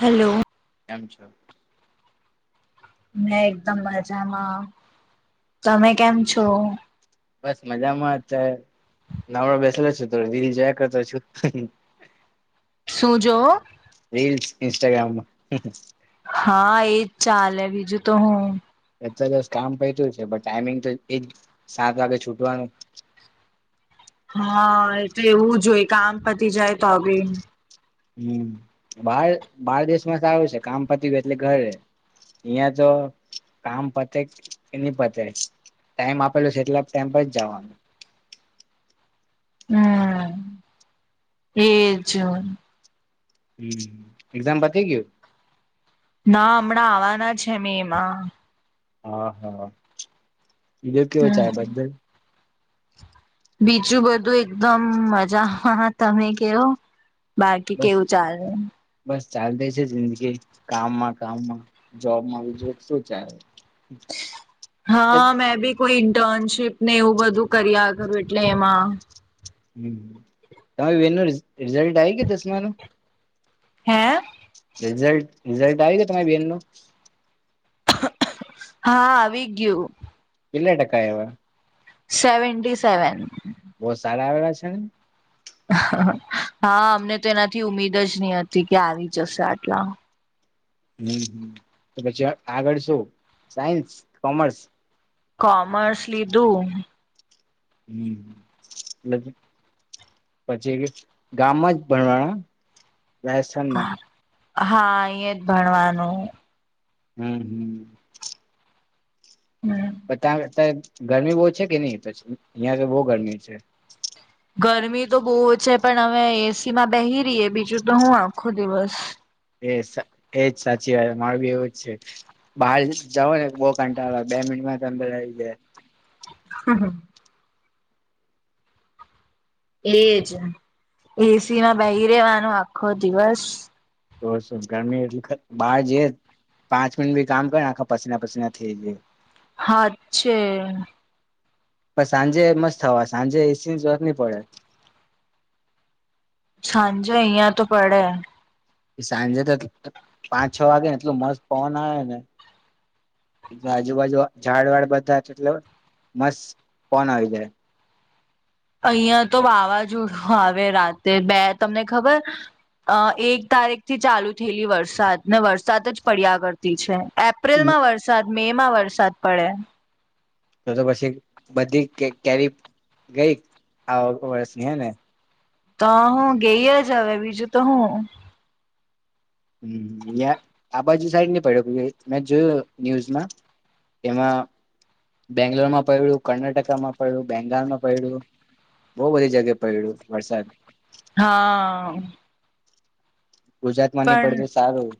Hello એમ છ મેને એકદમ મજામાં તમે કેમ છો બસ મજામાં અત્યારે નવડો બેસેલો છો થોડ દલ જોય કરતો છું સુુંજો ઇન્સ્ટાગ્રામ માં હા એજ ચાલે બીજું તો હું. એ દસ કામ પતું છે પણ ટાઈમિંગ તો એજ સાત વાગે છૂટવાનું. હા એટલે એવું જો હોય. કામ પતી જાય તો બી. હમ બાર દેશમાં સારું છે કામ પતી ગય એટલે ઘરે અહિયાં તો કામ પતે કે નહ પતે ટાઈમ આપેલો છે એટલે ટાઈમ પર જ જવાનું. હમ એજું. હમ એક્ઝામ પતિ ગયો. ના હમણાં આવવાના છે મેં માં. હા હા. બીધો કેવો ચાય હમ. બધલ. [inaudible] બીચું બધું એકદમ મજામાં તમે કેવો. બાકી બસ કેવું ચાલે. બસ ચાલતી છે જિંદગી કામમાં કામમાં જોબમાં બીજ શું ચાલે. હા મેં ભી. કોઈ ઇન્ટર્નશીપ ને એવું બધું કર્યાગરું એટલે એમાં. હમ. તમે વિનર્સ. રિઝલ્ટ આય કે દસમા ન. હે. રિઝલ્ટ રિઝલ્ટ આવી છે તમારી બેન નો. હા આવી ગયું. કેટલા ટકા આવ્યા. Seventy seven. બહુ સારા આવેલા છે ને. હા અમને તો એનાથી ઉમીદ જ નહી હતી કે આવી જશે આટલા. હમ તો પછી આગળ શું સાયન્સ કોમર્સ. કોમર્સ લીધું. હમ એટલે પછી ગામમાં જ ભણવાના. રાજસ્થાન માં. હા અહી જ ભણવાનું. હમ હમ. હમ. બ ત અત્યારે ગરમી બહુ છે કે નહી પછી અહિયાં તો બહુ ગરમી છે. ગરમી તો બહુ છે પણ હવે એસી માં બેહી રએ બીજું તો હું આખો દિવસ. એ એજ સાચી વાત મારું બી એવું જ છે બહાર જવ ને બહ કાંટા બે મિનિટમાં અંદર રહી જાય. હ હ. એજ એસી માં બહી રેવાનો આખો દિવસ. તો ગરમી એટલી બહાર જઈ પાંચ મિનિટ બી કામ કર આખા પસીના પસીના થઈ જ. હા છે. પણ સાંજે મસ્ત થવા સાંજે એસી જત નહી પડે. સાજો અયા તો પડે. એ સાંજે તો પાંચ છ વાગે ને એટલું મસ્ત પવન આવે ને એ આજુબાજુ ઝાડ વાળ બધા એટલો મસ્ત પવન આવી જાય. અહિયાં તો વાવાઝોડું આવે રાતે બે તમને ખબર અ એક તારીખ થી ચાલુ થયેલી વરસાદ ને વરસાદ જ પડ્યા કરતી છે એપ્રિલમાં વરસાદ મે માં વરસાદ વરસાદ પડે તો તો પછી બધી કેરી ગઈ આ વર્ષની હે ને તો હું ગઈ જ હવે બીજું તો હું હ આ બાજુ સાઈડ નહી પડ્યું મેં જોયું ન્યૂઝમાં એમાં બેંગ્લોરમાં પડ્યું કર્ણાટકામાં પડ્યું બેંગાલમાં પડ્યું બહ બધી જગ્યાએ પડ્યું વરસાદ હા [inaudible] નહી પણ પડતું સારું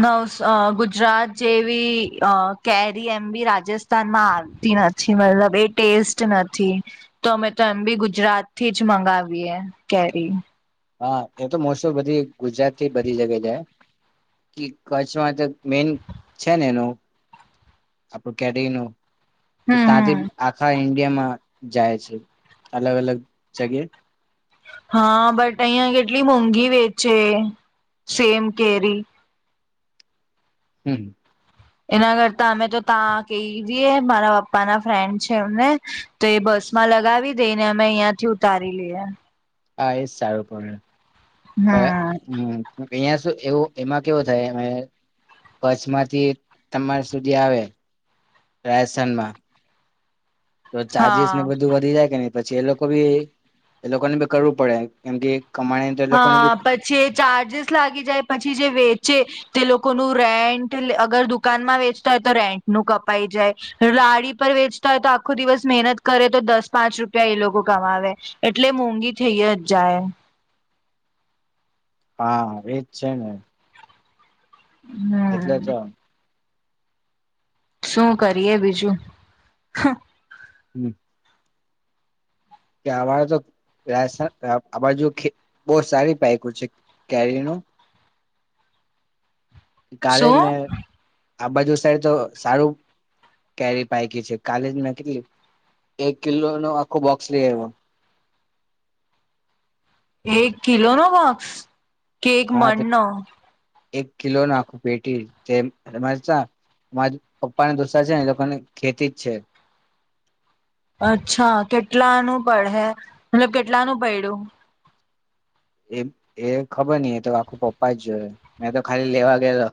નવસ ગુજરાત જેવી અ કેરી એમ બી રાજસ્થાનમાં આવતી નથી મતલબ એ ટેસ્ટ નથી તો અમે તો એમ બી ગુજરાત થી જ મંગાવીએ કેરી હા એ તો મોસ્ટું બધી ગુજરાત થી બધી જગ્યા જાય કચ્છમાં મેન છે ને એનું આપડું કેરીરી ન કે ત હમ જે હમ આખા ઇન્ડિયામાં જાય છે અલગ અલગ જગ્યા હા બટ અહં કેટલી મોંઘી વેચે સેમ કેરી હમ એના કરતા અમે તો ત્યાં કહી દઈએ મારા પપ્પાના ફ્રેન્ડ છે એમને તો એ બસ માં લગાવી દેને અમે અહંથી ઉતારી લઈએ આ તારપ [inaudible] હમ અહંયા શ એવું એમાં કેવું થાય કચ્છમાંથી તમારા સુધી આવે રાજસ્થાનમાં તો ચાર્જિસ ને હા બધું વધી જાય કે પછી એ લોકો ભી એ લોકોને બી કરવું પડે કેમ કે કમાણી તો એ લોકોને બી હા પછી ચાર્જસ લાગી જાય પછી પછી જે વેચે તે લોકોનું રેન્ટ અગર દુકાનમાં વેચતા હોય તો રેન્ટ નું કપાઈ જાય રાડી પર વેચતા હોય તો આખો દિવસ મહેનત કરે તો દસ પાંચ રૂપિયા એ લોકો કમાવે એટલે મોંઘી થઈ જ જાય હા એજ છે ને એટલે જ હમ શું કરીએ બીજું હમ કે અ તો આજ બહ સારી પઇક છે કેરીનું કલેન મે શું આ બાજુ સાહે તો સારું કેરી પાયકી છે કાલે જ મે કેટલી એક કિલો નો આખો બોક્સ લઈ આવ્યો. એક કિલો નો બોક્- કેક હા મળણના એક કિલો ના પેટી [inaudible] માર પપ્પાને દોસ્તાર છે ને, એ લોકોને ખેતી જ છે. અચ્છા કેટલાનું પડે? મતલબ કેટલાનું પડ્યું.? એ એ ખબર નઈ. એ તો આખું પપ્પા જ જોયો મેં તો ખાલી લેવા ગયેલો.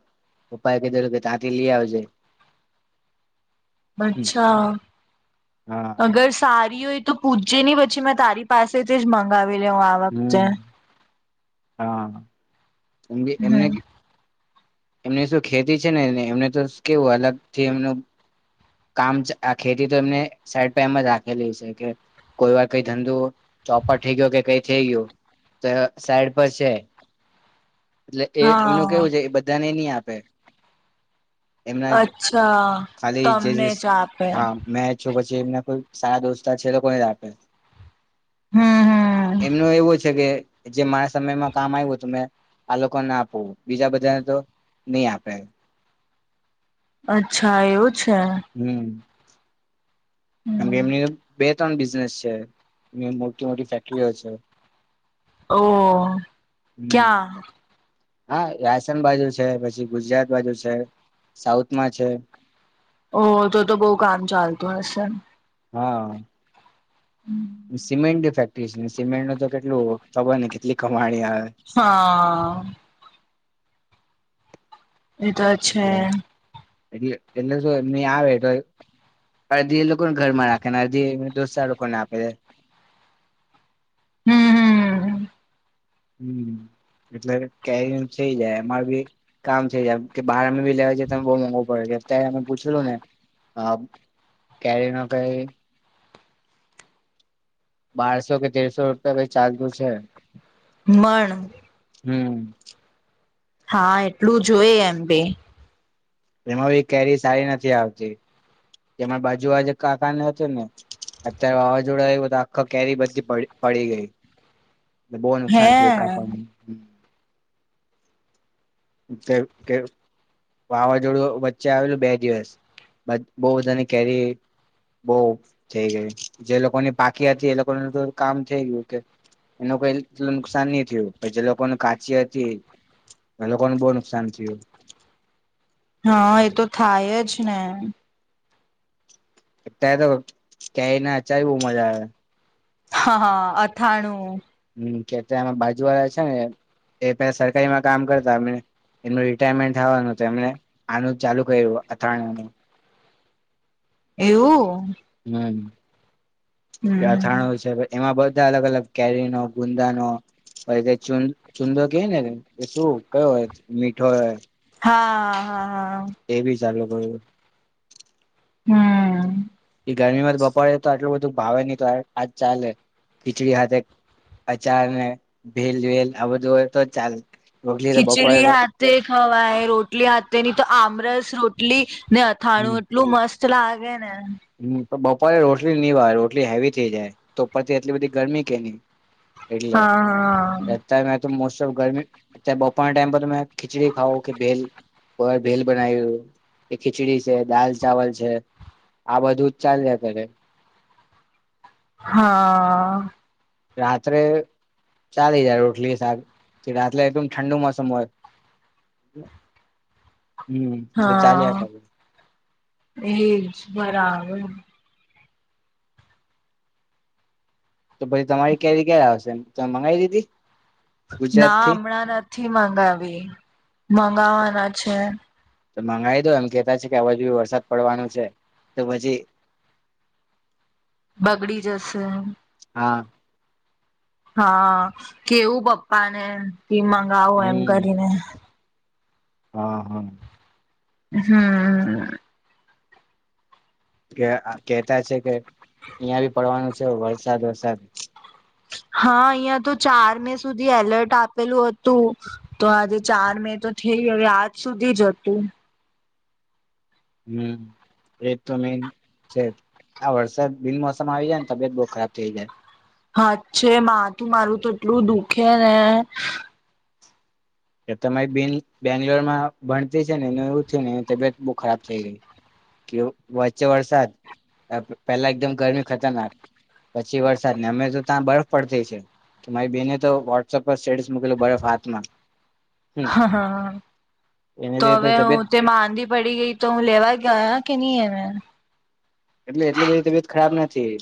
પપ્પા એ કીધો કે ત્યાંથી લઈ આવજે. અચ્છા! હા અગર સાર [inaudible] હોય તો પૂછે નહી, પછી મેં તારી પાસેથી જ મગાવી. પેલી હું આ વખતે હમ હા! [unintelligible] એમને હમ એમની શું ખેતી છે ને, ને એમને તો કેવું? અલગ થી એમનું કામ, આ ખેતી તો એમને સાઈડ પ એમ જ રાખેલી છે, કે કોઈ વાર કંઈ ધંધો ચોપટ થઈ ગયો, કે કંઈ થઈ ગયું, તો સાઈડ પછે એટલે કે એમનું હા કેવું છે,? એ બધાને ની આપે. પે. અચ્છા, ! જે તમને જ આપે. હા મેચ જે એમના કોઈ સારા દોસ્તાર છે, એ લોકો ને જ આપે. હમ હમ એમનું એવું છે કે જે માસ સમયમાં કામ આવ્યું, તો મેં આ લોકોને આપું, બીજા બધાને તો ની આપે. અચ્છા એવું જ હમ્મ! [unintelligible] કેમકે હમ એમની બે બિઝનેસ છે, એ મોટી મોટી ફેક્ટરીઓ છે. ઓહ હમ ઓ ક્યાં? હા, આસામ બાજુ છે, પછી ગુજરાત બાજુ છે, સાઉથમાં છે. ઓ ઓ તો તો બહુ કામ ચાલતું હશે. હા! હમ્મ! સિમેન્ટ ફેક્ટરી છે. ને સિમેન્ટ નું તો કેટલું ખબર ને? કેટલી કમાણી. આવે હા આઆઆ એ તો છે. એટલે એટલે એટલે શું? એમની આવે તો અડધી એ લોકોને ઘરમાં રાખે, અડધી એના દોસતાર લોકોને આપે. હમ્મ હમ્મ! હમ્મ, એટલે કેરી નું થઈ જાય, અમાર ભી કામ થઈ જાય, કે બાર અમે ભી લેવા જઈએ તો બો મોઘું પડે, અત્યારે અમે પૂછલું ને કેરી ન કંઈ બારસો કે તેરસો રૂપિયા કંઈ ચાલતું છે. મણ હમ્મ. ! હા, ! એટલું જોઈ એમ બી એમાં બી કેરી સારી નથી આવતી. એમાં બાજુ વાળા કાકાને હતી ને, અત્યારે વાવાઝોડા આવ્યું તો, આખા કેરી બધી પડી ગઈ. બહુ હે નુકસાન થયું, એ કાકા નું. કે વાવાઝોડું વચ્ચે આવેલું બે દિવસ, બો બધાની કેરી બહ થઈ ગઈ. જે લોકોની પાકી હતી, એ લોકોનું કામ થઈ ગયું કે એનું કોઈ નુકસાન ની થયું, પર જે લોકોને કાચી હતી એ લોકોને બો નુકસાન થયું. હા, એ તો થાયજ ને. અત્યારે તો કેરી ના અચાર ભી બો મજા આવે. હા, હા, અથાણું. કે અત્યારે એમાં બાજુ વાળા છે ને એ પે સરકારીમાં કામ કરતા, અમને એમનું રિટાયરમેન્ટ થવાનું એમને આનું ચાલુ કર્યું અથાણા નું. એવું. [unintelligible] હમ અથાણો છે એમાં બધ બધા અલગ અલગ કેરી નો ગુંદા નો પછ ચ ચુંદો કે ને શું કયો હોય મીઠો હોય હા હા હા એવી જાગુ કર હમ ગરમીમાં જ બપોડે તો આટલું બધું ભાવે નહ તો આજ ચાલે ખીચડી હાથે અચાર ને ભેલ વેલ આ બધું હોય તો ચાલે રોટલી તો બપોરે ખીચડી તો હાથે ખવાય રોટલી હાથે નની તો આમ રસ રોટલી ને હમ અથાણું એટલું મસ્ત ચલા ગય હમ તો બપોરે રોટલી નની વાય રોટલી હેવી થઇ જાય તો ઉપરથી એટલી બધી ગરમી કે નહી એટલે હા અત્યારે મેં હા તો મોસ્ટ ઓફ ગરમી અત બપરના ટાઈમ પર તમે ખીચડી ખાઓ કે બેલ કોઈ વાર ભેલ બનાવ્યું કે ખીચડી છે દાલ ચાવલ છે આ બધું જ ચા જ ત્યારે હા રાત્રે ચાલી જાર રોટલી શાક રાત્રે એકદમ ઠંડુ મોસમ હોય હમ તો ચાલ આ ક હા એજ બરાબર તો પછી તમારી કેરી કે્યારે આવશે તમે મંગાવી દીધી ગુજરાત ના થી હમણાં નથી થી મંગાવી મંગાવવાના છે તો મંગાવાઈ દો એમ કેતા છે કે આવાજ બી વરસાદ પડવાનું છે તો પછી બગડી જશે હા હા કેવું પપ્પા ને. ફી મગાવો એમ હમ કરીને હા હા હું કે કેતા છે કે અહં બી પડવાનું જો વરસાદ વરસાદ હા અહિયાં તો ચાર મે સુધી એલર્ટ આપેલું હતું તો આજે ચાર મે તો થઈ હવે આજ સુધી જ હતું. હમ એજ તો મેન છે આ વરસાદ બિનમોસમ આવી જાય ને તબિયત બહુ ખરાબ થઈ જાય. હા છે મા તું મારું તો એટલું દુખે ને તમારી બેન બેંગ્લોરમાં ભણતી છે ને એ એવું થ ને એની તબિયત બહુ ખરાબ થઈ ગઈ કે વચ્ચે વરસાદ પહેલા એકદમ ગરમી ખતરનાક પછી વરસાદને અમે તો ત્યાં બરફ પડતી છે કે મારી બેને તો વોટ્સપ પર સ્ટેટસ મૂકેલ બરફ હાથમાં હમ હા હા એને તો હવે લીધે તબિયત હું તેમાંધી પડી ગઈ તો હું લેવા ગયા કે નહી હવે. એટલે એટલી બધી તબિયત ખરાબ નથી.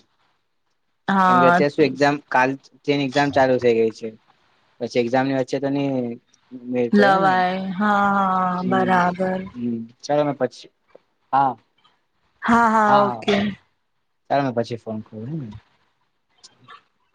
કેમ કે હા અત્યારે શું એક્ઝામ કાલ તેની એક્ઝામ ચાલુ થઇ ગઈ છે. પછી એક્ઝામની વચ્ચે તો નહી મેળ પડે ને લવાય હા હા હમ બરાબર. હમ ચાલો ના પછી હા હા હા ઓકે. તાલ મેં પછી ફોન કરું હને [inaudible]